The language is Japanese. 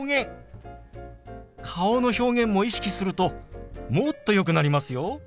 顔の表現も意識するともっとよくなりますよ。